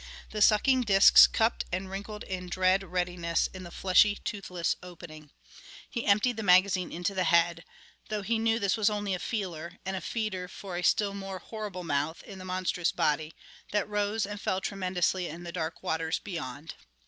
The sucking discs cupped and wrinkled in dread readiness in the fleshy, toothless opening. He emptied the magazine into the head, though he knew this was only a feeler and a feeder for a still more horrible mouth in the monstrous body that rose and fell tremendously in the dark waters beyond.